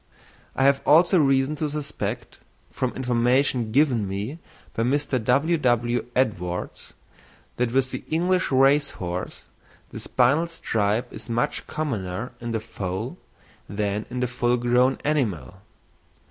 I have also reason to suspect, from information given me by Mr. W.W. Edwards, that with the English race horse the spinal stripe is much commoner in the foal than in the full grown animal.